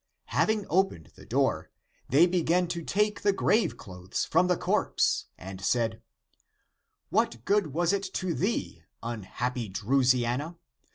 Having opened the door, they began to take the graveclothes from the corpse, and said, " What good was it to thee, unhappy Drusiana?